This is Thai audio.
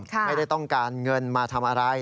ไม่ได้ต้องการเงินมาทำอะไร